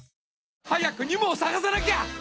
「早くニモを捜さなきゃ」